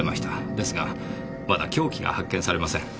ですがまだ凶器が発見されません。